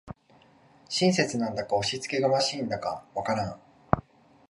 親切なんだか押しつけがましいんだかわからん